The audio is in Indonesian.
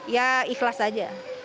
ya ikhlas saja